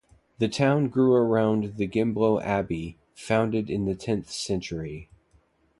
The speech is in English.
The town grew around the Gembloux Abbey, founded in the tenth century.